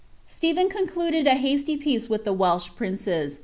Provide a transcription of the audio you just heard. Stephen concluded a hasiy peace with the Welsh princes, ' JklaJmsbOr